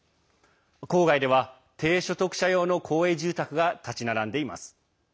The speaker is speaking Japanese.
郊外では低所得者用の公営住宅が立ち並んでいます。